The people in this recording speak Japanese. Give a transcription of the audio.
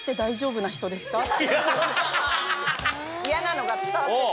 嫌なのが伝わってて。